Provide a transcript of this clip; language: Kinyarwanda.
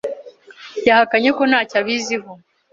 Yahakanye ko ntacyo abiziho.